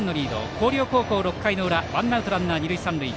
広陵高校、６回の裏ワンアウトランナー、二塁三塁。